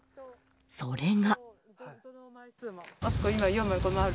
それが。